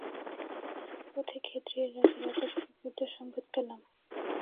পথে খেতড়ির রাজার আকস্মিক মৃত্যুসংবাদ পেলাম।